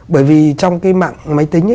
bởi vì trong cái mạng máy tính